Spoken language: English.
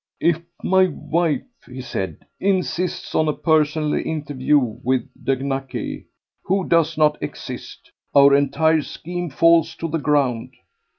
"If my wife," he said, "insists on a personal interview with de Naquet, who does not exist, our entire scheme falls to the ground.